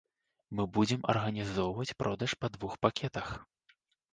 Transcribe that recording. Мы будзем арганізоўваць продаж па двух пакетах.